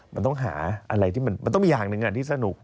มันต้องหาอะไรที่มันต้องมีอย่างหนึ่งที่สนุก